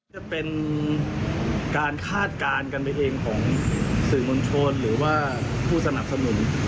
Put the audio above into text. จะเป็นการคาดการณ์กันไปเองของสื่อมวลชนหรือว่าผู้สนับสนุน